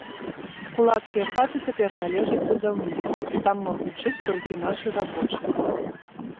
Кулацкія хаты цяпер належаць будаўніцтву, і там могуць жыць толькі нашы рабочыя.